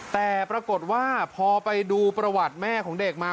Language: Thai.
แต่ปรากฏว่าพอไปดูประวัติแม่ของเด็กมา